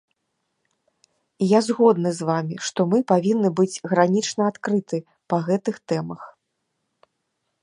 Я згодны з вамі, што мы павінны быць гранічна адкрыты па гэтых тэмах.